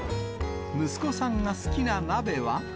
息子さんが好きな鍋は。